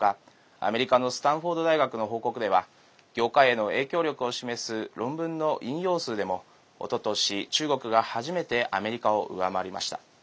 アメリカのスタンフォード大学の報告では業界への影響力を示す論文の引用数でもおととし、中国が初めてアメリカを上回りました。